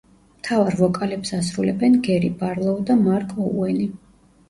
მთავარ ვოკალებს ასრულებენ გერი ბარლოუ და მარკ ოუენი.